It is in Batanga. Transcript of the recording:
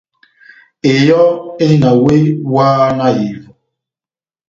Eyɔ́ endi na wéh wáhá na ehevo.